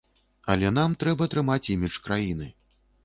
Але нам трэба трымаць імідж краіны.